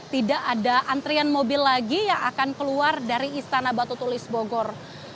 tidak ada antrian mobil lagi yang akan keluar dari istana batu tulis bogor